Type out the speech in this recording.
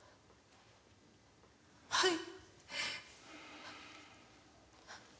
はい。